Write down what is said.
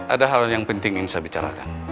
ada hal yang penting ingin saya bicarakan